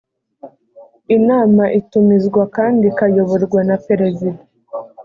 inama itumizwa kandi ikayoborwa na perezida